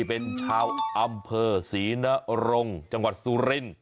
เป็นชาวอำเภอสีนรองจังหวัดซูริน